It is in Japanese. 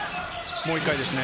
もう１回ですね。